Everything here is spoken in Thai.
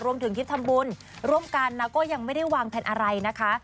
รวมถึงที่ทำบุญร่วมกันแล้วก็ยังไม่ได้วางแผนอะไรนะคะ